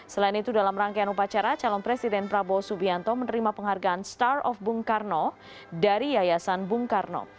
selain itu dalam rangkaian upacara calon presiden prabowo subianto menerima penghargaan star of bung karno dari yayasan bung karno